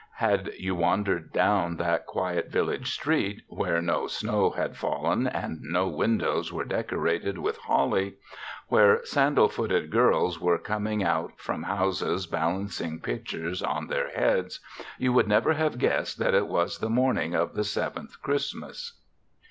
Had you wandered down that quiet village street, where no snow had fallen and no windows were dec orated with holly, where sandal footed girls were coming out from houses balancing pitchers on their heads, you would never have guessed that it was the morning of the Sev enth Christmas.